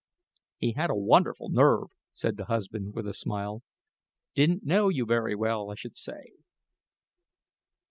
"He had a wonderful nerve," said the husband, with a smile; "didn't know you very well, I should say."